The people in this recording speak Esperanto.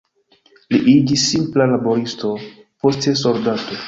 Li iĝis simpla laboristo, poste soldato.